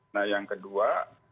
nah yang kedua